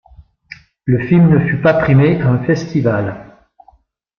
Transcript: Le film ne fut pas primé à un festival.